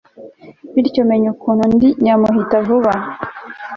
bityo menye ukuntu ndi nyamuhitavuba